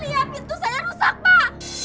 lihat pintu saya rusak pak